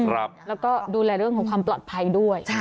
แล้วก็ดูแลเรื่องของความปลอดภัยด้วย